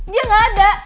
dia gak ada